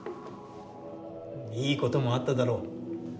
いいこともあっただろう。